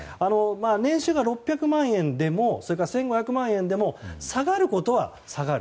年収が６００万円でも１５００万円でも下がることは下がる。